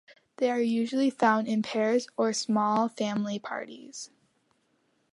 They are usually found in pairs or small family parties.